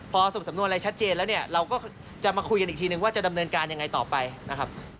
พอสรุปสำนวนอะไรชัดเจนแล้วเนี่ยเราก็จะมาคุยกันอีกทีนึงว่าจะดำเนินการยังไงต่อไปนะครับ